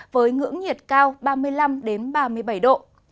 với ngưỡng nhiệt cao ba mươi năm ba mươi bảy độ